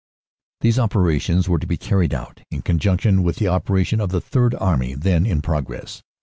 These operations were to be carried out in conjunction with the operation of the Third Army then in progress.